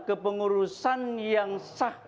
kepengurusan yang sah